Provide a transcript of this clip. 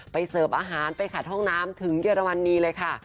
เสิร์ฟอาหารไปขัดห้องน้ำถึงเยอรมนีเลยค่ะ